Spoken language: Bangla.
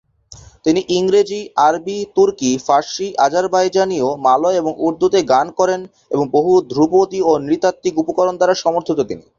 তিনি ইংরেজি, আরবি, তুর্কি, ফার্সি, আজারবাইজানীয়, মালয় এবং উর্দুতে গান করেন এবং বহু ধ্রুপদী ও নৃতাত্ত্বিক উপকরণ দ্বারা সমর্থিত তিনি।